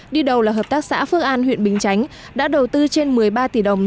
đi đầu là hợp tác xã phước an huyện bình chánh đã đầu tư trên một mươi ba tỷ đồng